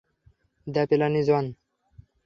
The plan is on.